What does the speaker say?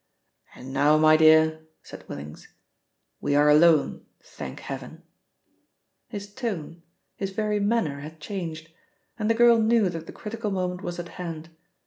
"And now, my dear," said Willings, "we are alone, thank heaven." His tone, his very manner had changed, and the girl knew that the critical moment was at hand.